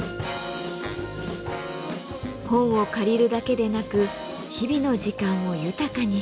本を借りるだけでなく日々の時間を豊かにしてくれる。